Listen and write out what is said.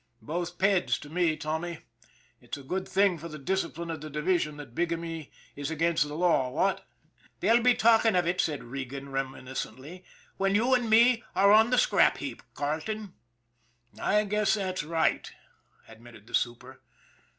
Both ' peds ' to me, Tommy. It's a good thing for the discipline of the division that bigamy is against the law, what ?"" They'll be talking of it," said Regan reminis cently, " when you and me are on the scrap heap, Carleton." " I guess that's right," admitted the super.